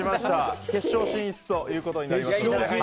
決勝進出ということになりました。